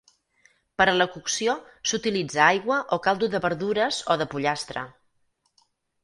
Per a la cocció s'utilitza aigua, o caldo de verdures o de pollastre.